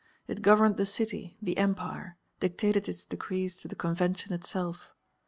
It governed the city, the empire, dictated its decrees to the Convention itself.